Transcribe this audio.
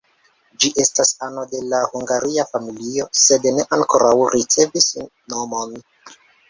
Ĝi estas ano de la hungaria familio, sed ne ankoraŭ ricevis nomon.